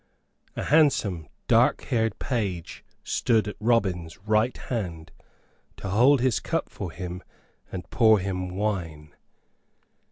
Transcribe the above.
A handsome, dark haired page stood at Robin's right hand, to hold his cup for him and pour him wine.